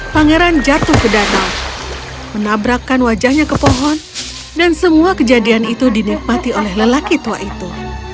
pangeran jatuh ke danau menabrakkan wajahnya ke pohon dan semua kejadian itu dinikmati oleh lelaki tua itu